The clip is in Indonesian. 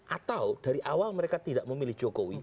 atau dari awal mereka tidak memilih jokowi